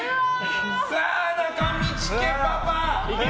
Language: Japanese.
さあ、中道家パパ。